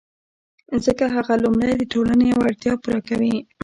ځکه هغه لومړی د ټولنې یوه اړتیا پوره کوي